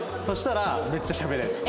そしたらめっちゃしゃべれる。